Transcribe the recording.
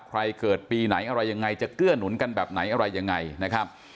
เกิดปีไหนอะไรยังไงจะเกื้อหนุนกันแบบไหนอะไรยังไงนะครับ